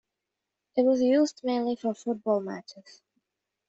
It was used mainly for football matches.